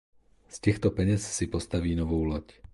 Z těchto peněz si postaví novou loď.